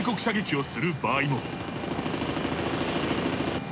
射撃をする場合も。